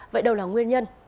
vậy đâu là nguyên nhân